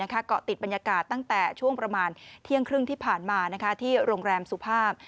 เกาะติดบรรยากาศตั้งแต่ช่วงประมาณเที่ยงครึ่งที่ผ่านมาที่โรงแรมสุภาพ